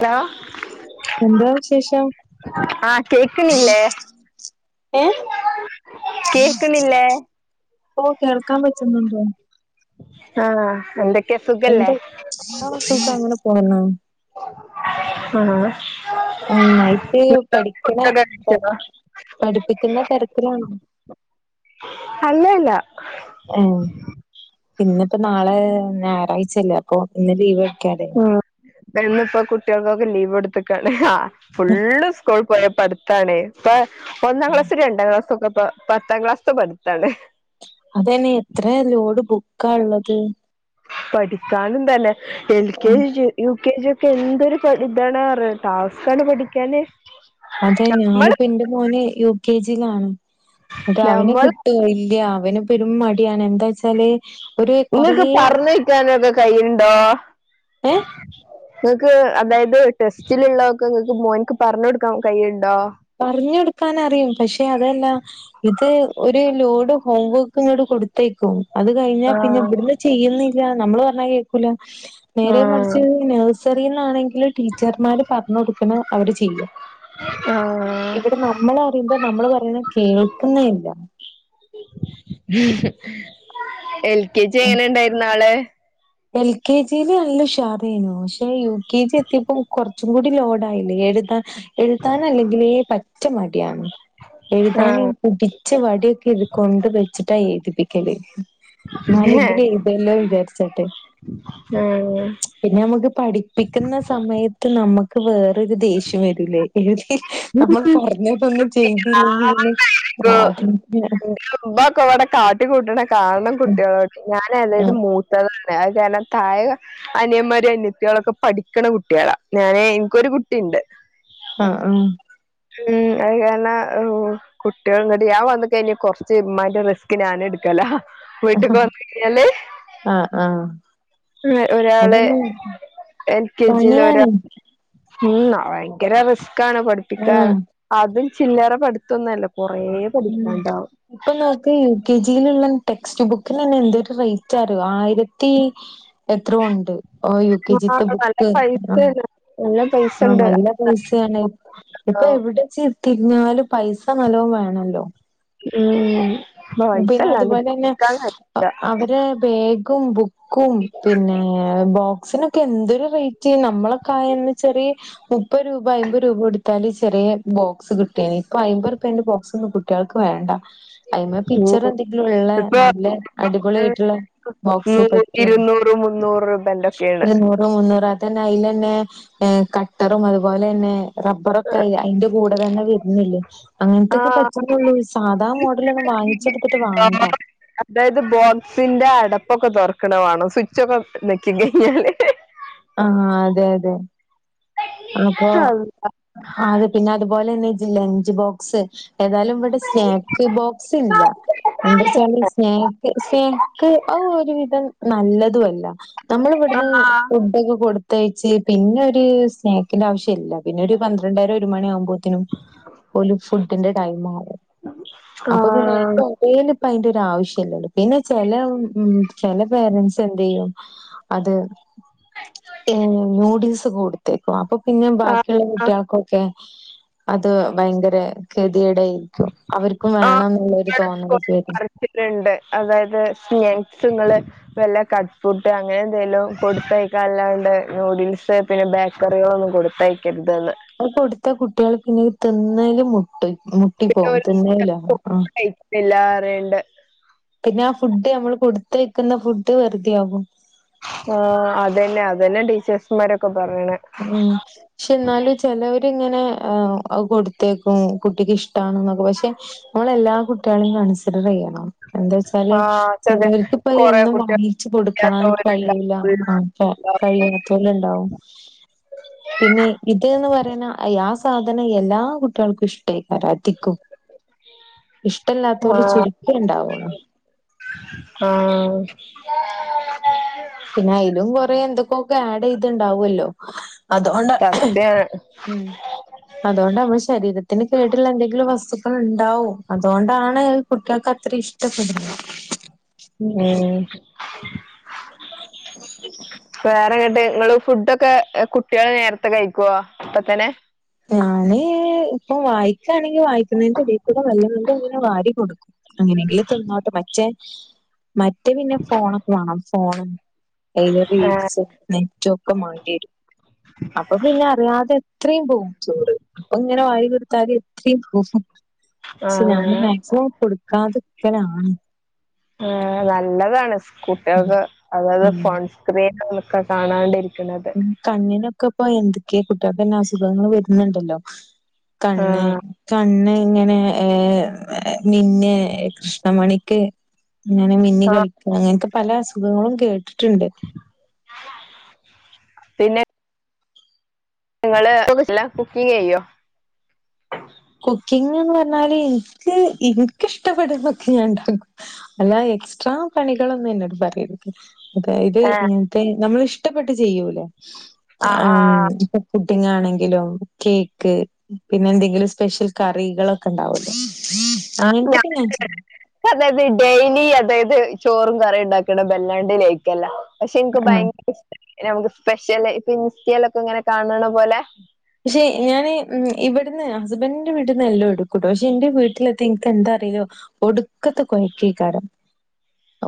Hello എന്താ വിശേഷം ആ കേക്കണില്ലേ ഏ കേക്കണില്ലേ ഓ കേൾക്കാൻ പറ്റുന്നുണ്ടോ ആ ആ എന്തേ എന്ത് ആ സുഖ അങ്ങനെ പോണണ് ആ ആ നായിട്ട് പഠിക്കണ കഴിച്ചോ പഠി പഠിപ്പിക്കുന്ന തേരക്കിലാണോ അല്ലല്ല ഉം പിന്നിപ്പോ നാളെ നായർ കഴിച്ചില്ലേ അപ്പൊ ഇന്ന് ലീവ് എടുക്കാലേ എന്നിപ്പോ കുട്ടികൾക്കൊക്കെ ലീവ് എടുത്തുക്കലെ ഹാ ഫുള്ള് സ്കോൾ സ്കൂള്പടുത്താണെ ഇപ്പൊ ഒന്നാം ക്ലാസ്സ് രണ്ടാം ക്ലാസ്സ് ഒക്കെ പോ പത്താം ക്ലാസ്സ്‌ത്തോ പട്ത്താണ് ക്ക ള്ളത് പഠിക്കാനുത് നേ എൽ ആ, കെ ജി ജു യു കെ ജി ഒക്കെ എന്തൊരു ഇതാണ് അറിയോ ടാസ്ക്കണ് പഠിക്കാന് അതെ നമ്മള് ഞാനിപ്പ എന്റെ മോനെ യു കെ ജി ലാണ് അത അവനെ നമ്മള് കിട്ടോ ഇല്ല അവന് പെരും മടിയാണ് എന്താ ചാല് നിങ്ങൾക്ക് പറഞ്ഞേയിക്കാനത് കയ്ണ്ടോ ഏ ഇങ്ങക്ക് അതായത് ടെസ്റ്റിലുള്ളതൊക്കെ ഇങ്ങക്ക് മോൻക്ക് പറഞ്ഞോടുക്കാൻ കയ്ണ്ടോ പറഞ്ഞ കൊടുക്കൻ അറിയും പക്ഷെ അതല്ല ഇത് ഒരു ലോഡ് ഹോം വർക്ക് ഇങ്ങട് കൊടുത്തയക്കും അത് കഴിഞ്ഞാൽ പിന്നെ ആഹ് ഇവിടുന്ന് ചെയ്യുന്നെ ല്ല നമ്മള് പറഞ്ഞാൽ കേക്കുല നേരെ ആഹ് മറിച്ച് നേഴ്‌സ് സ്റിയിന്നണെങ്കി ടീച്ചർമാര് പറഞ്ഞ് കൊടുക്കണ അവര് ചെയ്യും [inaudible] ഇവിടെ നമ്മളഅറിയുമ്പോ നമ്മള് പറയണകേൾക്കുന്നെ ഇല്ല [inaudible] എൽ കെ ജി എങ്ങനീണ്ടായിരുന്നു ആള് എൽ കെ ജിയില് നല്ല ഉഷാറേനു പക്ഷേ യു കെ ജി എത്തിയപ്പം കൊറച്ചും കൂടി ലോഡായില്ലേ എഴുതാൻ എഴുതാൻ അല്ലെങ്കിലേ പറ്റമടിയാണ് എഴുതാന് ആഹ് പുടിച്ച വടിയൊക്കെ ഇത് കൊണ്ട് വെച്ചിട്ടാ എഴുതി പിക്കല് എന്നാലെങ്കിലും എയ്‌തോലോ വിചാരിച്ച ട്ട് ആഹ് പിന്നമുക്ക് പഠിപ്പിക്കുന്ന സമയത്ത് നമക്ക് ക്ക്‌ വെർ ഒരു ദേഷ്യം വരൂലേ ഹ് ഹ് നമ്മൾ പറഞ്ഞതൊന്നും ചെയ്തില്ലെങ്കില് പിന്നേ കാരണം കുട്ടികളോട് ഞാൻ എളേത് മൂത്തതാണ് അത്കാരണം താഴെക അനിയന്മാരും അനിയത്യേളൊക്കെ പഠിക്കണ കുട്ടികളാ ഞാനെ എനിക്കൊരു കുട്ട ട്ടിണ്ട് ആഹ ആഹ ഉം അത് കാരണം ഓ കുട്ടികൾ ഇങ്ങട് ഞാൻ വന്ന്കഴിഞ് കൊറച്ച് ഇമ്മാന്റെ റിസ്ക് ഞാനെടുക്കലാ വീട്ട്ക്ക്‌ വന്നയ്ഞ്ഞാല് ആഹ് ആഹ് ഒരാള് അതന്നെ എൽ കെ ജി യില് ഒരാ പണിയാണ് ഉം ഭയങ്കര റിസ് ക്കാണ് പഠിപ്പിക്കാറ് അതും ചില്ലറ പട് ഉ ഇപ്പ നോക്ക്‌ യു കെ ജി യിലുള്ളൻ ട്ടെക്സ്റ്റ് ബുക്കിനന്നേ എന്തൊരു റൈറ്റാ അറിയോ ആയിര ത്തി എത്രോ ഉണ്ട് ഓ യു കെ ജി ത്തെ ആഹ് നല്ല ബുക്ക് പൈസയാണ് നല്ല പൈസ ആ ഉണ്ട് നല്ല പൈസയാണ് ഇപ്പഎവിടിജ്ജ്‌ തിരിഞ്ഞാലും പൈസ നല്ലോം വേണല്ലോ മ് പിന്നെ അതുപോലെന്നെ അവരെ ബേഗും ബുക്കും പിന്നെ ബോക്സിനൊ ക്കെ എന്തൊരു റേറ്റ് നമ്മളൊക്കായന്ന് ചെറിയ മുപ്പത് രൂപ അയ്മ്പത് രൂപ എടുത്താല് ചെറേ ബോക്സ് കിട്ട് ട്ടിനി ഇപ്പൊ അയ്മ്പൊർപ്പന്റെ ബോക്സൊന്നും കിട്ട് കുട്ടേൾക്ക് വേണ്ട അയ്മ്മ പിക്ചർ ഉം എന്തെങ്കിലും ഉള്ള ഇപ്പൊ നല്ല അടിപൊളി ആയിട്ടുള്ള ബോക്സെ നൂറ് പറ്റുള്ളൂ. ഇരുന്നൂറ് മുന്നൂറ് പിന്നെ രൂപന്റെക്കെയാണ് ഇരുന്നൂറ മുന്നൂറ തന്നെ അതിൽ തന്നെ കട്ടറും അതുപോലെ തന്നെ റബർ ഒക്കെ അയി അയിന്റെ കൂടെ തന്നെ വരുന്നില്ലേ ആ അങ്ങനത്തൊക്കെ പറ്റുന്നള്ളൂ സാധാ മോഡലൊന്നും വാങ്ങ അതായത് ബോക്സിന്റെ അട ചപ്പൊക്കെ തൊർക്കണ വാണം സ്വിച്ചൊക്കെ നക്കി കയിഞ്ഞാല് ആഹ അതെ അതെ അപ്പൊ അല്ല. അത് പിന്നെ അതുപോലെന്നെ ലഞ്ച് ബോക്സ് ഏതായാലും ഇവിടെ സ്നാക്ക് ബോക്സ് ഇല്ല. എന്താ വച്ചാൽ സ്നാക്ക് സ്നക്ക് ആ ഒരുവിധം നല്ലതുഅല്ല നമ്മൾ ആ ഇവിടുന്ന് ഫുഡോക്കെ കൊടു പ്രത്യേകിച്ച് പിന്നെ ഒരു സ് ആവശ്യം ഇല്ല പിന്നെ ഒരു പന്ത്രണ്ടായിരം ഒരു മണി ആകുമ്പോനും പോല ഫുഡിന്റെ ടൈം ആകും ആ അപ്പൊ പിന്നെ അ ശ്യല്ലല്ലോ ചില പേരന്റ്സ് എന്തേയ്യും അത് നൂഡിൽസ് കൊടു തെക്കും അപ്പൊ പിന്നെ ബാക്കിയുള്ള കുട്ടികൾക്കൊക്കെ [inaudible] അത് ഭയങ്കര ക ടായിരിക്കും അവർക്കും ആ വേണം എന്നുള്ളരു തോന്നലക്കെരുന്നു പറിച്ചിട്ടുണ്ട് അതായത് സ്നാക്സ് വല്ല കട്ട് ഫ്രൂട്സ് അങ്ങനെ എന്തെലും കൊടുത്തയക്കാൻ അല്ലാണ്ട് നൂഡിൽസ് പിന്നെ ബേക്കറികളൊന്നും കൊടുത്തയക്കരുത് അ കൊടുത്ത കുട്ടികൾ പിന്നെ തിന്നല് മുട്ടും മുട്ടി പിന്നെ പോം ഒരു തിന്നല ആ വേണ്ട് പിന്നെ ആ ഫുഡ് നമ്മൾ കൊടുത്തയക്കുന്ന ഫുഡ് വെറുതെ ആകും ആ അതന്നെ അതന്നെ ടീച്ചസമാരൊക്കെ ഉം പക്ഷെ എന്നാലും ചിലവര് ഇങ്ങനെ കൊടുത്തേക്കും കുട്ടിക്ക് ഇഷ്ട പക്ഷെ നമ്മളെല്ലാ കുട്ട കുട്ടിയാളീം കൺസിഡർ ചെയ്യണം എന്താ വച്ചാല് ആഹ് അതെ ചിലവർക്ക് ഇപ്പ കൊറേ എന്നും കുട്ടികൾ വാങ്ങിച്ചു കൊടുക്കണം കഴിയൂല ആഹ കഴിയാതോൽ ഇണ്ടാവും പിന്നെ ഇതന്ന് പറയുന്ന ആ സാധനം എല്ലാ കുട്ടികൾക്കും ഇഷ്ട ഇേ കരാത്തിക്കും ഇഷ്ടല്ലാത്ത പോല ആഹ് ചുരുക്ക ഉണ്ടാവ [inaudible] പിന്നെ അയിലും കൊറേ എന്ത്കൊക്കെ ആഡീതണ്ടാവുല്ലോ [inaudible] അതുകൊണ്ട് സത്യാണ് ഉം അതുകൊണ്ട് ഞമ്മള് ശരീരത്തിന് കേട്ള്ള എന്തെങ്കിലും വസ്തു [unintelligible] ഇണ്ടാവും അതുകൊണ്ടാണ് കുട്ടിയേൾക്ക് അത്രെ ഇഷ്ടപ്പെടുന്നത്. ഉം വേറങ്ങട് ഇങ്ങള് ഫുഡൊക്കെ കുട്ടിയേള് നേരത്തെ കഴിക്കോ അപതന്നെ ഞാന് ഇപ്പം വായിക്കയാണെങ്കി വായിക്കുന്നതിന്റെ ഇടയിക്കുടെ വല്ലതൊണ്ട് ഇങ്ങനെ വാരി കൊടുക്കും. അങ്ങനെങ്കിലും തിന്നോട്ടെ മറ്റേ. മറ്റേ പിന്നെ ഫോണൊക്കെ വേണം ഫോണ് അയിൽ ആഹ് റീൽസും നെറ്റൊക്കെ മാണ്ടേരും അപ്പൊ പിന്നെ അറിയാതെ ത്രീംപോവും ചോറ് ഇപ്പങ്ങനെ വാരി കൊടുത്താല് എത്രിം പോകും ക്ഷെ ഞാൻ ആഹ് മാക്സിമം കൊട്ക്കാതെ ക്കലാണ് ആ നല്ലതാണ് സ് കുട്ടെൾക്ക് അതായത് ഉം ഫോൺസ്ക്രീൻ ആൺ ക്കെ കാണാണ്ടിരി ഉം കണ്ണിനൊക്ക ഇപ്പൊ എന്തൊക്കെ ഫുഡാ അതെന്നെ അസുഖങ്ങൾ വര്ൻ ഇണ്ടല്ലോ കണ്ണ് ആഹ് കണ്ണ് ഇങ്ങനേ ഏ മ്എ നിന്നെ കൃഷ്ണമണിക്ക് ഇങ്ങനെ മിന്നി ആഹ് കളിക്ക്ണെ അങ്ങനെ ഒക്കെ പല അസുഖങ്ങളും കേട്ട് ട്ട്ണ്ട് പിന്നെ നിങ്ങൾ [unintelligible] കുക്കിങ് ചെയ്യോ കുക്കിങ്ങ്ന്ന് പറഞ്ഞാല് ഇൻക്ക് ഇൻക്ക് ഇഷ്ടപ്പെട്ന്നൊക്കെ ഞാൻ ഇണ്ടാക്കും അല്ലാ എക്സ്ട്രാ പണികളൊന്നും എന്നോട് പറര്ത് അതായത് ഏഹ് ഇങ്ങൻത്തെ നമ്മൾ ഇഷ് ഷ്ടപ്പെട്ട് ചെയ്യൂലെ ആഹ് ആമ് ആഹ് ഇപ്പ ഫുട് ണ്ടിങ്ങാണെങ്കിലും കേക്ക് പിന്നെ എന്തെങ്കിലും സ് ഷെൽ കറികളൊക്കെ ഇണ്ടാവുലെ [unintelligible] ഡൈലി അതായത് ചോറും കറിം ഇണ്ടാക്ക്ണെ ബെല്ലാണ്ടെ ലെയ്ക്ക് അല്ല ക്ഷെ ഇൻക്ക് ആഹ് ഭയ്ങ്കര ഇഷ്ടാണ് നമുക്ക് സ്പെഷ്യല് ഇപ്പൊ ഇൻസ്റ്റെൽ ഒക്കെ ഇങ്ങനെ കാൺണെ പോലെ പക്ഷെ ഞാന് ഇബട്ന്ന് ഹസ്ബൻഡിന്റെ വീട്ടന്ന് എല്ലോം എടുക്കുട്ടോ പക്ഷെ എന്റെ വീട്ട്ലെത്തിയാ ഇൻക്ക് എന്താ അറീലാ ഒടുക്കത്തെ കൊഴ്ക്കെയ്ക്കാരം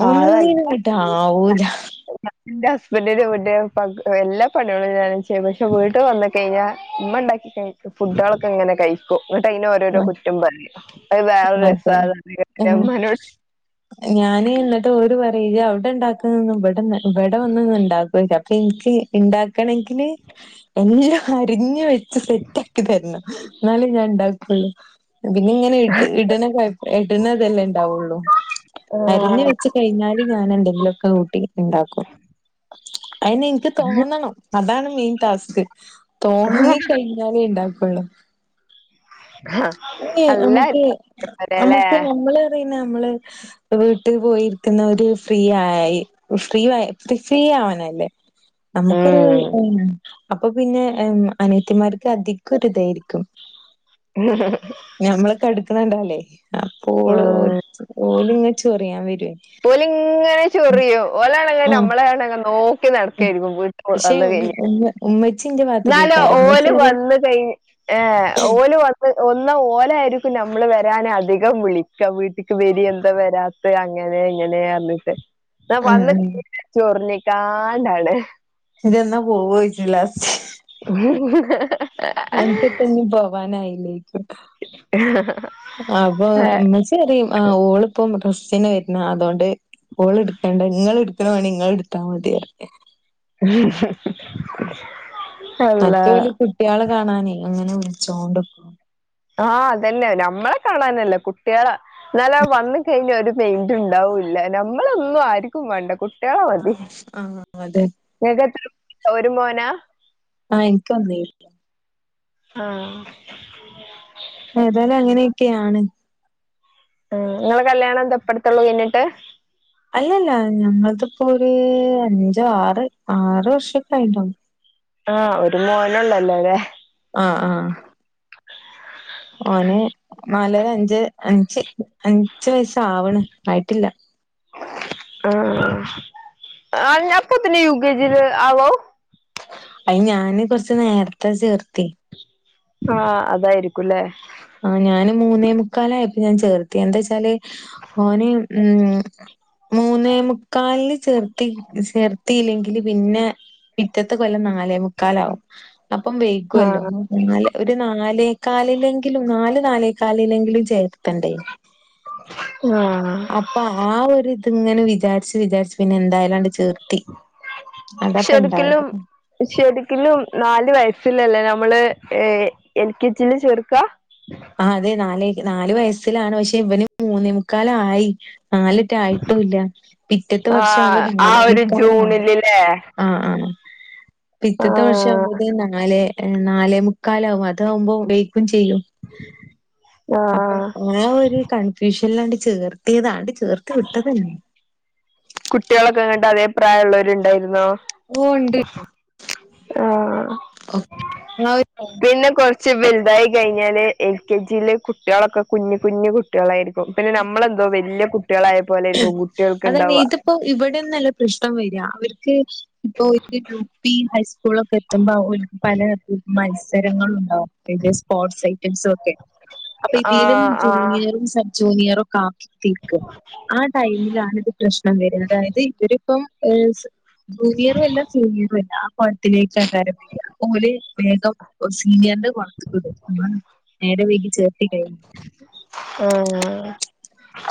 ആ ഒന്നിനും അതല്ല ഇങ്ങട്ട് ആവൂലാ ഇന്റെ ഹസ്ബെന്റിന് പിന്നെ പകു എല്ലാ പണികളും ഞാനും ചെയ്യും പക്ഷെ വീട്ട് വന്ന് കെഴിഞ്ഞാ ഇമ്മ ഇണ്ടാക്കി കഴിക്കും ഫുഡാളൊക്കെ ഇങ്ങനെ കഴിക്കും ഇങ്ങട്ട് അയിൻ ഓരോരോ ആ, കുറ്റം പ റിം അയ് വേറെ ഒര് അതെ രസാണ് ഇങ്ങട്ട് ഞാൻ ഉം. ഇമ്മാനോട് ട്ട് ഓര് പറിയെ ഇജ് ഔ ത്തെ ഇണ്ടാക്ക്ന്നെന്ന് ഇബടെ ഒന്ന് ഇബടെ വന്ന് ഒന്ന് ഇണ്ടാക്കോച്ച് അ എനിക്ക് ഉണ്ടാക്ക ക്കണെങ്കില് എല്ലാം അരിഞ്ഞഞ് വെച്ച് സെറ്റ ആക്കി തരണം എന്നാലും ഞാ ഉണ്ടാ ഉ പിന്നെ ഇങ്ങനെ ഇ് ഇട ഇടുന്നതെല്ലാം ഇണ്ടാവുള്ളു അരിഞ്ഞഞ് വെച്ച് കഴിഞ്ഞാല് ഞാൻ എന്റെെല്ലൊക്കെ കൂട്ടി ഉണ്ടാക്കും അെ എനിക്ക് തോന്നണം അതാണ് മീൻ ടാസ്ക് തോന്നിക്കഴിഞ്ഞാലേ ഇണ്ടാാകൂ കൊള്ളം ഏ അല്ല നമുക്ക് അല്ലേ നമ്മുക്ക് നമ്മളറ നമ്മള് വീട്ടിൽ പോയിരിക്കുന്നര് ഫ്രീ ആയി ഫ്രീ ഫ്രീ ആവാനല്ലേ നമുക്കൊരു ഉം അപ്പൊ പിന്നെ അനേത്തിമാർക്ക് അധികംരി ഇതായിരിക്കും ആ ുന്നുണ്ടല്ലേ അപ്പോ ഓലിങ്ങ ചോറിയാൻ വ പോലി ഇങ്ങനെ ചെറിയോ ഓ ആഹ് നമ്മളെണ നോ ക്കെ ആഹ് നടക്കായിരിക്കും പോയി പക്ഷെ വന്ന ഉമ്മ കഴിഞ്ഞ ഉമ്മ ഉമ്മച്ചിന്റെ എന്നാല ഭാഗത്ത്ക്കേക്കാരം ഉമ്മച്ചി ഓല് പറയും വന്ന് കഴി ഏ ഓല് വന്ന് ഒന്ന ഓലായിരിക്കും നമ്മള് വ ൻ അധികം വിളിക്കാം വീട്ടിക്ക് വരി എന്താ വരാത്ത അങ്ങനെ ഇങ്ങനെയന്നിട്ട് ആഹ് വന്ന ആഹ് ചോറിനേ ാനാണ് ഇ എന്നാ പോവ ഇിലാസ് ഹ് ഹ് ഹ് അൻപത്തൊന്ന് ഭവാൻ ആയില്ലേ അപ്പൊ ഇന്നൽസതേ ആ ഓളിപ്പം മുഹ്‌സീന വരുന്നു അതോണ്ട് ഓള് എടുത്തേണ്ട ഇങ്ങള് എടു [unintelligible] മണി നിങ്ങൾ എടുത്താ മതിയാ ഉം ഹും ഹും മറ്റ് വല്യ കുട്ടികളെ കാണാനേ അങ്ങനെ ഒന്നും ചോണ്ടക്ക ആ അതന്നെ ഞമ്മളെ കാണാനല്ല കുട്ടികളെ ഇന്നല വന്ന് കഴിഞ്ഞ ഒരു മൈയിന്റ് ഉണ്ടാവൂല്ല നമ്മളൊന്നും ആരിക്കും വേണ്ട കുട് ഏ അത് ആഹ് അതെ ഏതൊക്ക ഒരു മോനാ ആ എനിക്ക് വന്നീർ ആ ഏതായാലും അങ്ങനെയെക്കെയാണ് ഉം നിങ്ങൾടകല്യാണം തൊട്ടടുത്തുള്ളത് കഴിഞ്ഞിട്ട് അല്ലല്ല നിങ്ങൾത്തിപ്പൊരു അഞ്ച് ആറ് ആറ് വർഷൊക്കെ കഴിഞ്ഞിട്ടുണ്ടാവും ആ ഒരു മോനുള്ളൂ അല്ലാതെ അ ആ ഓന് നാലര അഞ്ച് അഞ്ച് അഞ്ച് വയസാവണ് ആയിട്ടില്ല ആ അറിഞ്ഞപ്പത്തന്നെ യു കെ ജി ല് ആവോ അയി ഞാന് കുറച്ച് നേരത്തെ ചേർത്തി ആ അതായിരിക്കൂല്ലേ ആ ഞാന് മൂന്നേ മുക്കാലായപ്പൊഴെ ചേർത്തി എന്താ ച്ചാല് ഓന് ഉം മൂന്നേ മുക്കാലില് ചേർത്തി ചേർത്തിയില്ലെങ്കിൽ പിന്നെ പിറ്റത്തെ കൊല്ല നാല് മൂന്നേമുക്കാലാവും അപ്പം വൈകോല്ലോ ആഹ് നാല് ഒരു നാ ലെ കാലില്ലി നാല് നാലേ കാല് കാലില്ലെങ്കിലും ചേട്ട ത്തണ്ടേ ആഹ് അപ്പ ആ ഒരു ഇത്ങ്ങനെ വിചാരിച്ച് വിചാരിച്ചു പിന്നെ എന്തായാലാങ്ങ്ട് എത്ത ശരിക്കിലും ശരിക്കിലും നാല് വയസ് ഫില്ലേല്ലേ നമ്മള് എൽ കെ ജില് ചേർക്ക ആ അതെ നാലേ കാ നാലു വയസ്സിലാണ് പക്ഷെ ഇവന് മൂന്നേ മുുക്കാലായി നാലിറ്റ് ആയിട്ടുല്ല പിറ്റത്തെ വർഷം ആവുമ്പോ ആഹ് ആ ഒരു നാലേമുക്കാല് മാറും ജൂണിലില്ലേ ആ ആ ആ ഇപ്പ ഇത്തത്തെ വർഷം ആഹ് ആവുമ്പോത്തെേ നാല് നാലേ മു കാലാവും അതകുമ്പോൾ വേക്കും ചെയ്യും അപ്പൊ ആഹ് ആ ഒരു കൺഫ്യൂഷൻ എല്ലാണ്ട് ചേർത്തിയതാണ്ട് ചേർത്ത് വിട്ടതന്നെ കുട്ടികളൊക്കെ ഇങ്ങട്ട് അതേ പ്രായമുള്ളള്ളവരുണ്ടായിരുന്നോ ഓ ഉണ്ട്ണ്ട് ആഹ് പെ വലുതായി കഴിഞ്ഞാല് എൽ കെ ജിയില് കുട്ടികളൊക്കെ കുഞ്ഞഞ് കുഞ്ഞ് കുട്ടികളായിരിക്കും പിന്നെ നമ്മളെന്തോ വലിയ കുട്ടികളായ പോലെരിക്കും കുട്ടികൾക്ക് ഉണ്ടാവുക ഇപ്പ ഇവിടെന്നല്ല പ്രശ്നം വരിക അവർക്ക് ഇപ്പൊ യൂ പി ഹൈസ് സ്കൂളൊക്കെ എത്തുമ്പോ പല മത്സരങ്ങള ഉണ്ടകും ന്റെ സ്പോർട്സ് ഐറ്റംസും ഒക്കെ അപ്പൊ ഇതിലും ആഹ് ആഹ് ജൂനിയറും സബ്ജൂ ജൂനിയർ കാ തിരിക്ക ആ ടൈമിലാണ ഇത് പ്രശ്നം വരുന്നത് അതായത് ഇവരിപ്പം ഏ ജൂനിയറും അല്ല സീനിയറും അല്ല ആ കൊലത്തിലേക്ക്ക്കരബര ഓലെ വേഗം സീനിയറിന്റെ പുറത്തിക്ക്‌ടും നേരം വൈകിചേർത്തി കഴിഞ്ഞ ആഹ്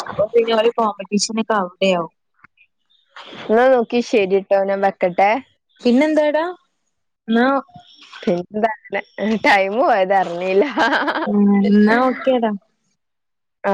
അപ്പൊ പിന്നെ ഒലേ കോമ്പറ്റീഷൻ അവിടെോയാകും എന്ന നോക്കി ശരിട്ടോ നാ വെക്കട്ടെ പിന്നെന്താടാ പിന്നെന്ത ടൈം പോയത് അറിഞ്ഞില്ല ഉ എന്നാ ഓക്കേടാ ആ